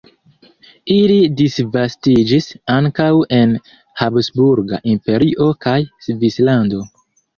Ili disvastiĝis ankaŭ en Habsburga Imperio kaj Svislando.